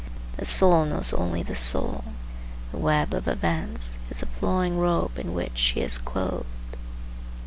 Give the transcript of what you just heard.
The soul knows only the soul; the web of events is the flowing robe in which she is clothed.